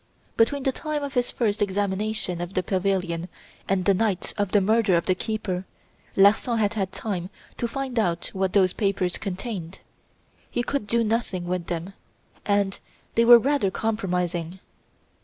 Between the time of his first examination of the pavilion and the night of the murder of the keeper, Larsan had had time to find out what those papers contained. He could do nothing with them, and they were rather compromising.